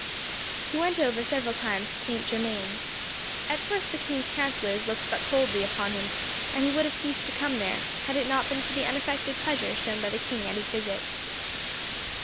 He went over, several times, to Saint Germain. At first, the king's counsellors looked but coldly upon him, and he would have ceased to come there, had it not been for the unaffected pleasure shown by the king at his visits.